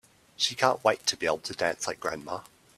She can't wait to be able to dance like grandma!